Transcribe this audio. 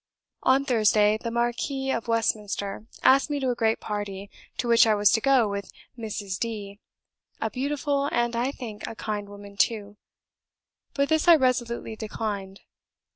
On Thursday, the Marquis of Westminster asked me to a great party, to which I was to go with Mrs. D , a beautiful, and, I think, a kind woman too; but this I resolutely declined.